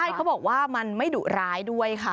ใช่เขาบอกว่ามันไม่ดุร้ายด้วยค่ะ